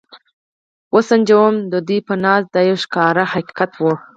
و سنجوم، د دوی په نزد دا یو ښکاره حقیقت و.